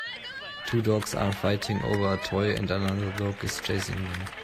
Two dogs are fighting over a toy and another dog is chasing them.